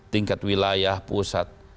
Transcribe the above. tingkat wilayah pusat